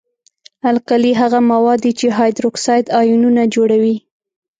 القلي هغه مواد دي چې هایدروکساید آیونونه جوړوي.